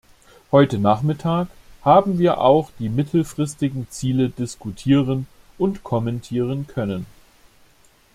Heute Nachmittag haben wir auch die mittelfristigen Ziele diskutieren und kommentieren können.